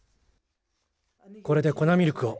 これでこなミルクを。